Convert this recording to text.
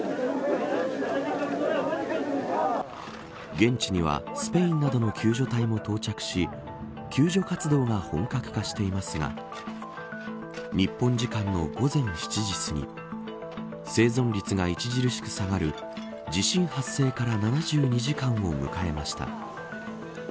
現地にはスペインなどの救助隊も到着し救助活動が本格化していますが日本時間の午前７時すぎ生存率が著しく下がる地震発生から７２時間を迎えました。